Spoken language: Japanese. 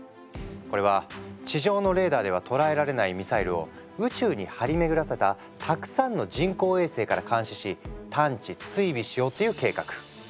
これは地上のレーダーでは捉えられないミサイルを宇宙に張り巡らせたたくさんの人工衛星から監視し探知追尾しようっていう計画。